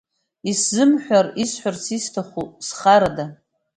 Исзымҳәар исҳәарц исҭаху, изхарада?